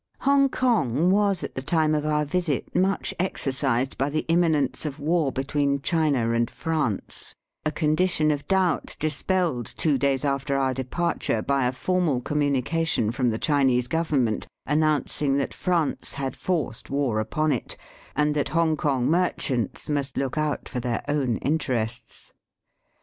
Hongkong was at the time of our visit much exercised by the imminence of war between China and France, a condition of doubt dispelled two days after our departure by a formal communication from the Chinese Government, announcing that France had forced war upon it, and that Hongkong mer chants must look out for their own interests.